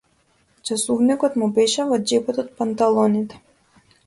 Часовникот му беше во џебот од панталоните.